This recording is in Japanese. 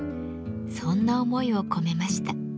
そんな思いを込めました。